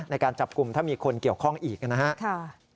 ในการจับกลุ่มถ้ามีคนเกี่ยวข้องอีกนะครับ